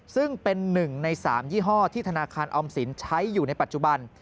ซึ่งเป็น๑ใน๓ยี่ห้อที่ธนาคารออมสินใช้อยู่ในปัจจุบัน